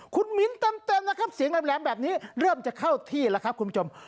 คุณมิ้นเต็มนะครับเสียงแหลมแบบนี้เริ่มจะเข้าที่แล้วครับคุณผู้ชม